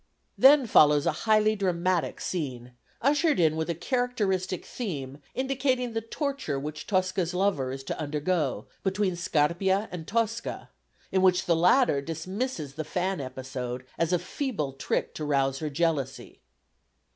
Then follows a highly dramatic scene, ushered in with a characteristic theme indicating the torture which Tosca's lover is to undergo, between Scarpia and Tosca, in which the latter dismisses the fan episode as a feeble trick to rouse her jealousy.